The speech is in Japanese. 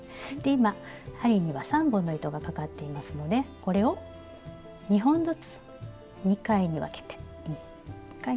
今針には３本の糸がかかっていますのでこれを２本ずつ２回に分けて１回。